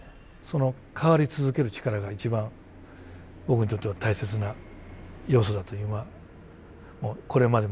その変わり続ける力が一番僕にとっては大切な要素だと今これまでも思ってます。